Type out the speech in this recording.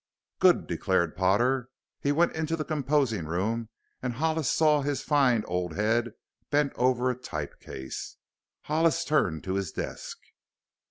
'_" "Good!" declared Potter. He went into the composing room and Hollis saw his fine old head bent over a type case. Hollis turned to his desk.